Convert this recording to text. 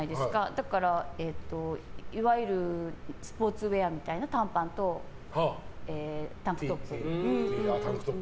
だからいわゆるスポーツウェアみたいな短パンとタンクトップ。